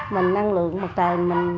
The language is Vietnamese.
mình năng lượng mặt trời